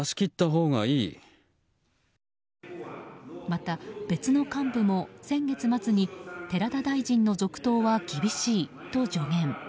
また、別の幹部も先月末に寺田大臣の続投は厳しいと助言。